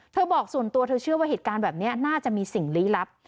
บอกส่วนตัวเธอเชื่อว่าเหตุการณ์แบบนี้น่าจะมีสิ่งลี้ลับ